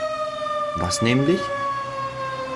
Was nämlich?